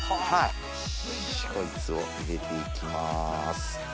こいつを入れていきます。